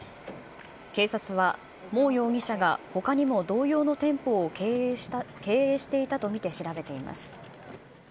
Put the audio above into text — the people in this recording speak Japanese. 警察は、毛容疑者がほかにも同様の店舗を経営していたと見て調べています。